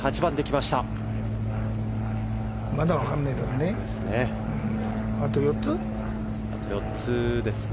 まだ分からないけどね。